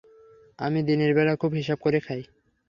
আমি দিনের বেলা খুব হিসাব করে খাই।